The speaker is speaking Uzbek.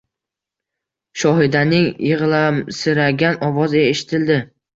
Shohidaning yig‘lamsiragan ovozi eshitildi